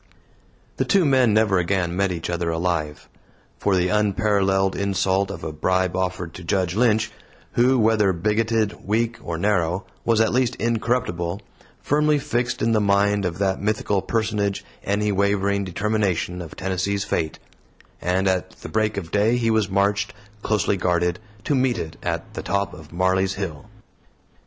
The two men never again met each other alive. For the unparalleled insult of a bribe offered to Judge Lynch who, whether bigoted, weak, or narrow, was at least incorruptible firmly fixed in the mind of that mythical personage any wavering determination of Tennessee's fate; and at the break of day he was marched, closely guarded, to meet it at the top of Marley's Hill.